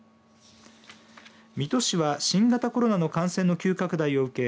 水戸市は、新型コロナの感染の急拡大を受け